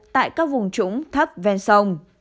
tại các vùng trũng thấp ven bờ